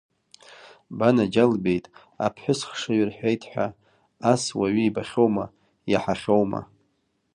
Банаџьалбеит, аԥҳәыс хшыҩ рҳәеит ҳәа, ас уаҩы ибахьоума, иаҳахьоума?